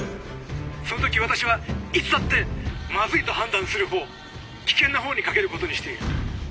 「その時私はいつだってまずいと判断する方危険な方にかけることにしている。